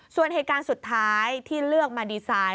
ส่วนเหตุการณ์สุดท้ายที่เลือกมาดีไซน์